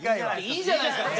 いいじゃないですか！